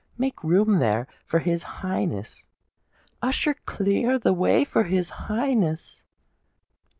Make room there, for his Highness: usher, clear the way for his Highness."